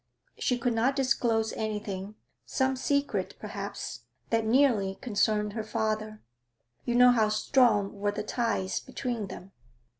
She could not disclose anything some secret, perhaps that nearly concerned her father; you know how strong were the ties between them.'